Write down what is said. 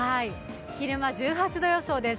昼間、１８度予想です。